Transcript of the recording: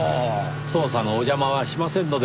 捜査のお邪魔はしませんので。